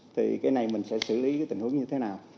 thì cái này mình sẽ xử lý cái tình huống như thế nào